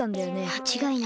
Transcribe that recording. まちがいなく。